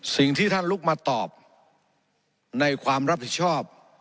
สิ่งที่ท่านลุกมาตอบในความรับผิดชอบ